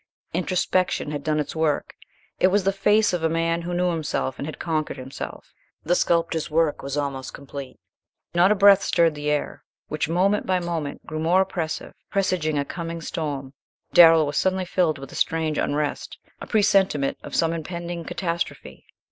Introspection had done its work. It was the face of a man who knew himself and had conquered himself. The sculptor's work was almost complete. Not a breath stirred the air, which moment by moment grew more oppressive, presaging a coming storm. Darrell was suddenly filled with a strange unrest a presentiment of some impending catastrophe.